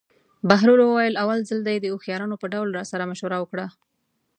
بهلول وویل: اول ځل دې د هوښیارانو په ډول راسره مشوره وکړه.